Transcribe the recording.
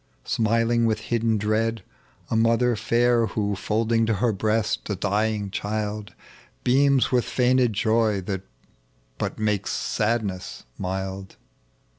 Smiling with hidden dread — a mother fair Who folding to her breast a dying child Beams with feigned joy that but makes sadnt^a mild.